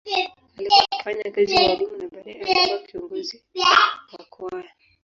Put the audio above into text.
Alikuwa akifanya kazi ya ualimu na baadaye alikuwa kiongozi wa kwaya.